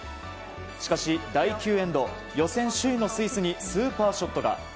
しかし、第９エンド予選首位のスイスにスーパーショットが。